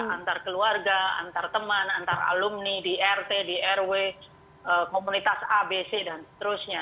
antar keluarga antar teman antar alumni di rt di rw komunitas abc dan seterusnya